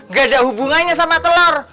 gak ada hubungannya sama telur